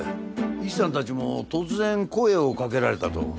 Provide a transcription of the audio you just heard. イシさんたちも突然声を掛けられたと。